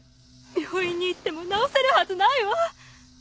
病院に行っても治せるはずないわ！